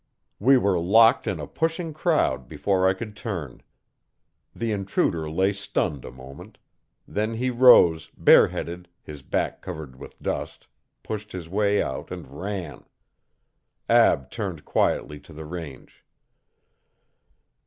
We were locked in a pushing crowd before I could turn. The intruder lay stunned a moment. Then he rose, bare headed, his back covered with dust, pushed his way out and ran. Ab turned quietly to the range.